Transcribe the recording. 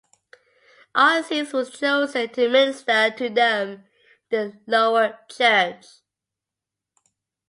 Arcese was chosen to minister to them in the lower church.